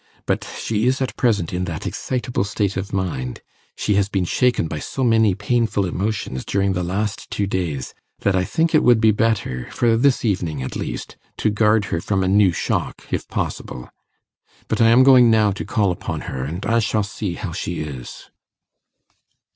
But she is at present in that excitable state of mind she has been shaken by so many painful emotions during the last two days, that I think it would be better, for this evening at least, to guard her from a new shock, if possible. But I am going now to call upon her, and I shall see how she is.